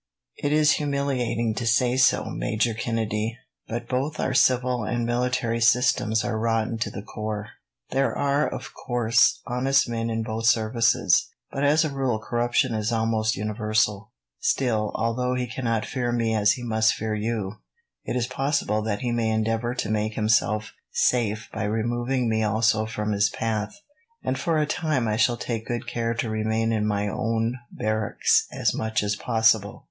"It is humiliating to say so, Major Kennedy, but both our civil and military systems are rotten to the core. There are, of course, honest men in both services, but as a rule corruption is almost universal. Still, although he cannot fear me as he must fear you, it is possible he may endeavour to make himself safe by removing me also from his path; and for a time I shall take good care to remain in my own barracks, as much as possible."